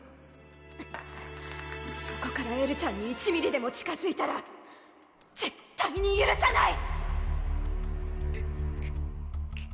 そこからエルちゃんに１ミリでも近づいたら絶対にゆるさない！